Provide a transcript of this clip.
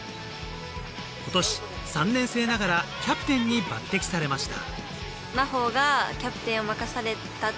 今年３年生ながらキャプテンに抜擢されました